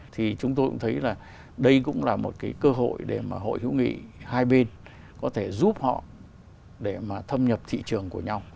thì chúng tôi cũng thấy là đây cũng là một cái cơ hội để mà hội hữu nghị hai bên có thể giúp họ để mà thâm nhập thị trường của nhau